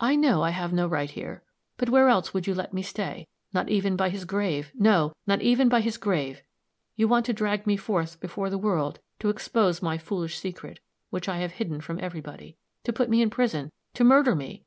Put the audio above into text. "I know I have no right here; but where else will you let me stay? Not even by his grave no, not even by his grave! You want to drag me forth before the world, to expose my foolish secret, which I have hidden from everybody to put me in prison to murder me!